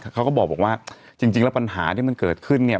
เขาก็บอกว่าจริงแล้วปัญหาที่มันเกิดขึ้นเนี่ย